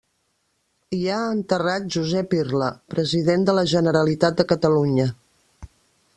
Hi ha enterrat Josep Irla, president de la Generalitat de Catalunya.